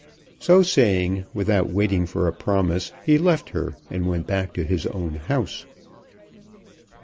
So saying, without waiting for a promise, he left her and went back to his own house.